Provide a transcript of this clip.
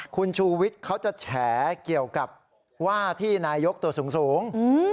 คุณชูวิทย์เขาจะแฉเกี่ยวกับว่าที่นายกตัวสูง